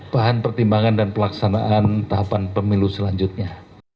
bahan pertimbangan dan pelaksanaan tahapan pemilu selanjutnya